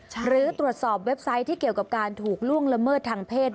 หรือตรวจสอบเว็บไซต์ที่เกี่ยวกับการถูกล่วงละเมิดทางเพศ